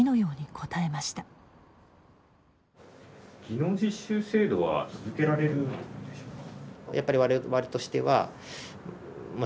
技能実習制度は続けられるんでしょうか？